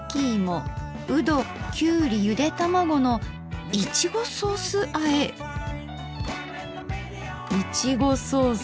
うどきゅうりゆで玉子のいちごソースあえ⁉いちごソース